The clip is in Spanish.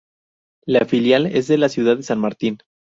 La filial es de la ciudad de San Martín.